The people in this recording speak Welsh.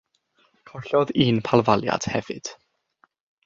Collodd un palfaliad hefyd.